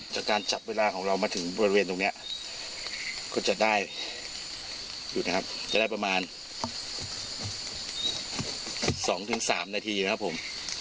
จากการจับเวลาของเรามาถึงบริเวณตรงเนี่ยก็จะได้ประมาณ๒๓นาทีนะครับผม